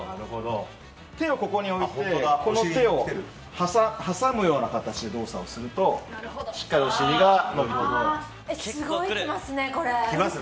手をここに置いて挟むような形で動作をするとしっかりお尻が伸びていきます。